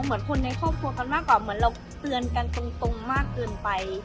เหมือนคนในครอบครัวกันมากกว่าเหมือนเราเตือนกันตรงมากเกินไป